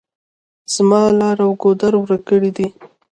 زما لار ګودر ورک کړي دي.